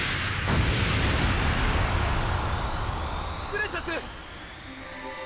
プレシャス！